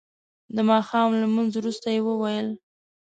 د ماښام لمونځ وروسته یې وویل.